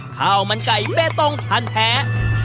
ข้าวมันไก่เบตงพันธุ์แท้